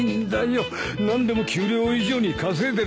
何でも給料以上に稼いでるって噂でね。